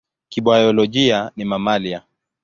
Kibiolojia ni mamalia.